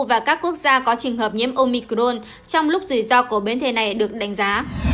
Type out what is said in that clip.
và các quốc gia có trường hợp nhiễm omicrone trong lúc rủi ro của biến thể này được đánh giá